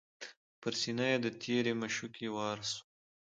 پر سینه یې د تیرې مشوکي وار سو